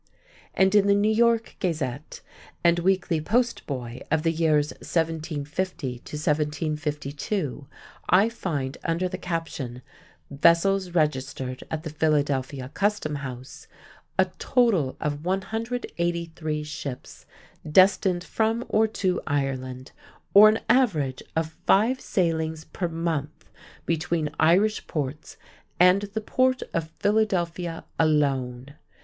And in the New York Gazette and Weekly Post Boy of the years 1750 to 1752, I find under the caption, "Vessels Registered at the Philadelphia Custom House," a total of 183 ships destined from or to Ireland, or an average of five sailings per month between Irish ports and the port of Philadelphia alone.